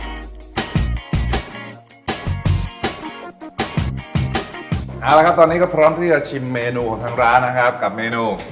เอาละครับตอนนี้ก็พร้อมที่จะชิมเมนูของทางร้านนะครับกับเมนู